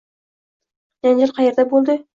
- Janjal qayerda bo'ldi?